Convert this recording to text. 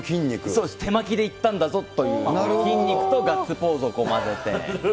そうです、手巻きでいったんだぞっていう、筋肉とガッツポーズをまぜて。